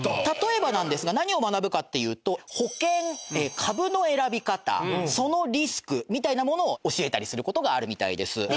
例えばなんですが何を学ぶかっていうと保険株の選び方そのリスクみたいなものを教えたりする事があるみたいです。